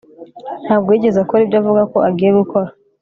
Ntabwo yigeze akora ibyo avuga ko agiye gukora